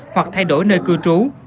hoặc thay đổi nơi cư trú